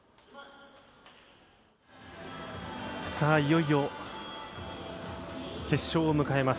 いよいよ決勝を迎えます。